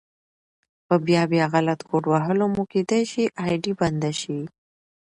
په بيا بيا غلط کوډ وهلو مو کيدی شي آئيډي بنده شي